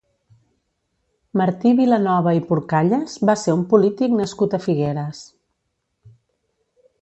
Martí Vilanova i Purcallas va ser un polític nascut a Figueres.